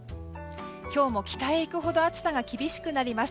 今日も北へ行くほど暑さが厳しくなります。